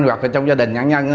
hoặc trong gia đình nạn nhân